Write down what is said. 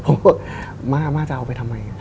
ผมบอกมาจะเอาไปทำไม